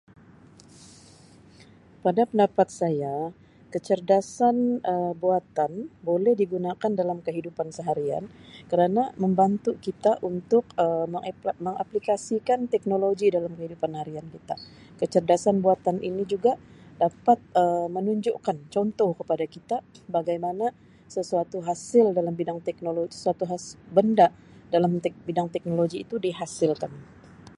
Pada pendapat saya kecergasan Um buatan boleh digunakan dalam kehidupan seharian kerana membantu kita untuk Um mengaple-mengaplikasikan teknologi dalam kehidupan harian kita, kecerdasan buatan ini juga dapat Um menunjukkan contoh kepada kita bagaimana sesuatu hasil dalam bidang teknologi suatu hasil-benda dalam bidang teknologi itu dihasilkan.